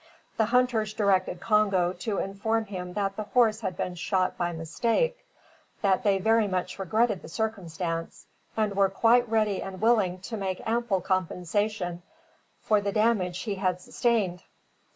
The hunters directed Congo to inform him that the horse had been shot by mistake, that they very much regretted the circumstance; and were quite ready and willing to make ample compensation for the damage he had sustained.